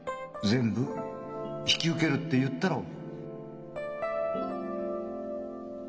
全部引き受けるって言ったろう？